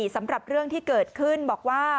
สำหรับเรื่องที่เกิดขึ้นบอกว่า